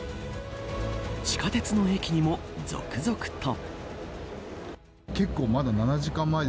地下鉄の駅にも続々と。